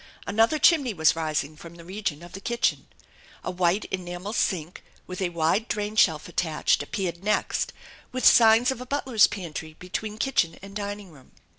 Another chim ney was rising from the region of the kitchen. A white enamel sink with a wide drain shelf attached appeared next, with signs of a butler's pantry between kitchen and dining room.